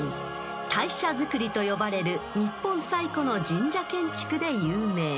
［大社造と呼ばれる日本最古の神社建築で有名］